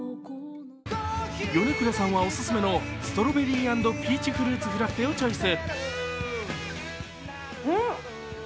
米倉さんはオススメのストロベリー＆ピーチフルーツフラッペをチョイス。